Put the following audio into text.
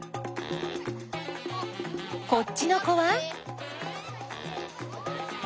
こっちの子は？